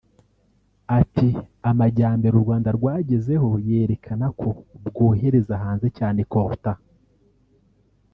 Ati “ amajyembere u Rwanda rwagezeho yerekana ko rwohereza hanze cyane coltan